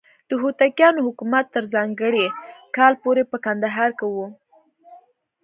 د هوتکیانو حکومت تر ځانګړي کال پورې په کندهار کې و.